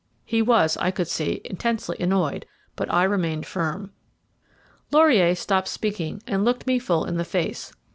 He was, I could see, intensely annoyed, but I remained firm." Laurier stopped speaking and looked me full in the face.